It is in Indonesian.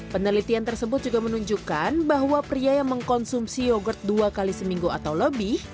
penelitian tersebut juga menunjukkan bahwa pria yang mengkonsumsi yogurt dua kali seminggu atau lebih